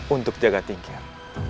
untuk tiaga tingkir